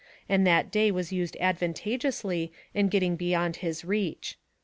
and that day was used advantageously in getting beyond his reach.